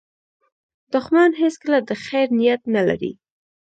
دښمن هیڅکله د خیر نیت نه لري